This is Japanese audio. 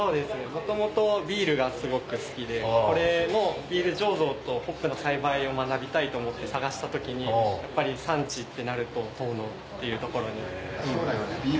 元々ビールがすごく好きでこれのビール醸造とホップの栽培を学びたいと思って探した時にやっぱり産地ってなると遠野っていう所に。